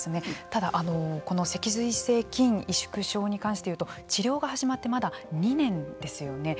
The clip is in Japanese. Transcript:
ただ、脊髄性筋萎縮症に関して言うと治療が始まってまだ２年ですよね。